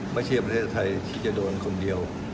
ประเทศไทยที่จะโดนคนเดียว